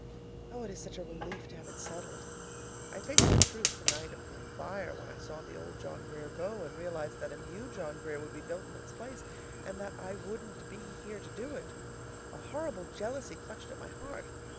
Oh, it is such a relief to have it settled! I faced the truth the night of the fire when I saw the old John Grier go, and realized that a new John Grier would be built in its place and that I wouldn't be here to do it. A horrible jealousy clutched at my heart.